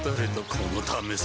このためさ